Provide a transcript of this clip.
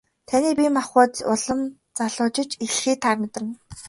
Таны бие махбод улам залуужиж эхлэхийг та мэдэрнэ.